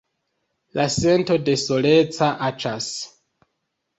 La sento de soleca aĉas.